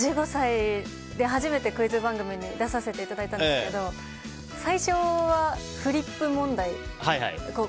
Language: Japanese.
１５歳で、初めてクイズ番組に出させていただいたんですが最初はフリップ問題で。